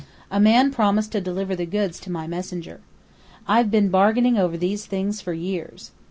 A man promised to deliver the goods to my messenger. I've been bargaining over these things for years.